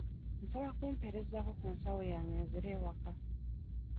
Nsaba kumpeerezaako ku nsawo yange nzire ewaka.